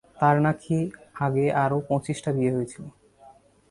তার নাকি আগে আরো পঁচিশটা বিয়ে হয়েছে।